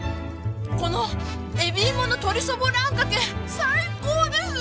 このえびいもの鶏そぼろあんかけ最高です！